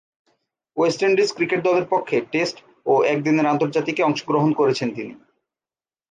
West Indies cricket দলের পক্ষে test ও একদিনের আন্তর্জাতিকে অংশগ্রহণ করেছেন তিনি।